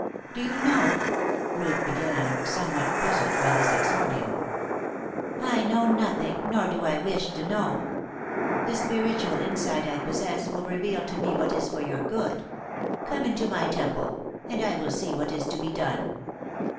"Do you know " Ruth began, somewhat I puzzled by this exordium. "I know nothing nor do I wish to know. The spiritual insight I possess will reveal to me what is for your good. Come into my temple, and I will see what is to be done."